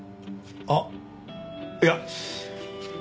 あっいや。